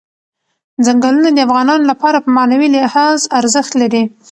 ځنګلونه د افغانانو لپاره په معنوي لحاظ ارزښت لري.